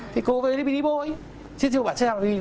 thì cô ấy bị đi bôi